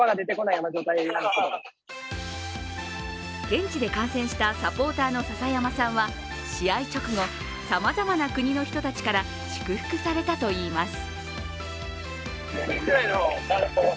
現地で観戦したサポーターの笹山さんは試合直後、さまざまな国の人たちから祝福されたといいます。